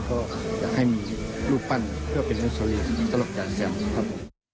ก็จะให้มีรูปปั้นเพื่อเป็นอันโชวีตลกจากแซมครับ